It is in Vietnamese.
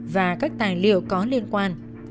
và các tài liệu có liên quan